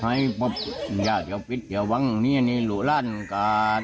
ให้ปุ๊บอย่าเจ้าปิดเจ้าวังเนี่ยเนี่ยลูกร้านก็